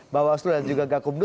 bawaslu dan juga gakumlu